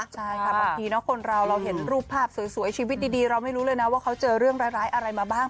ใช่ค่ะบางทีคนเราเราเห็นรูปภาพสวยชีวิตดีเราไม่รู้เลยนะว่าเขาเจอเรื่องร้ายอะไรมาบ้าง